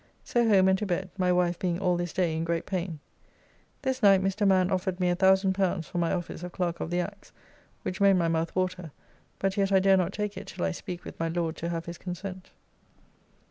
So home and to bed, my wife being all this day in great pain. This night Mr. Man offered me L1000 for my office of Clerk of the Acts, which made my mouth water; but yet I dare not take it till I speak with my Lord to have his consent.